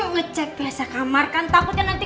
ngecek biasa kamar kan takutnya nanti